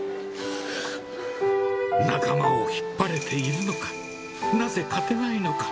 仲間を引っ張れているのか、なぜ勝てないのか。